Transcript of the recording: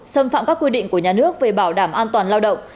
xâm phạm các quy định của nhà nước về bảo đảm an toàn lao động